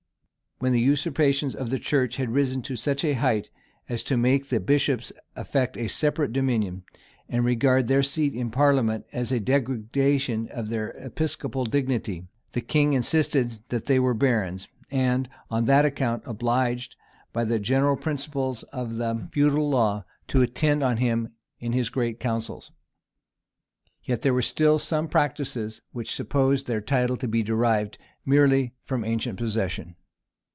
When the usurpations of the church had risen to such a height, as to make the bishops affect a separate dominion, and regard their seat in parliament as a degradation of their episcopal dignity, the king insisted that they were barons, and, on that account, obliged, by the general principles of the feudal law, to attend on him in his great councils. Yet there still remained some practices, which supposed their title to be derived merely from ancient possession.